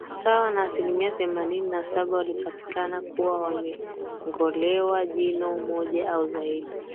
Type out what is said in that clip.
sawa na asilimia themanini na saba walipatikana kuwa wamengolewa jino moja au zaidi